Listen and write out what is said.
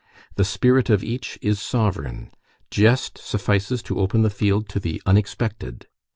The spirit of each is sovereign, jest suffices to open the field to the unexpected.